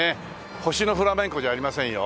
『星のフラメンコ』じゃありませんよ。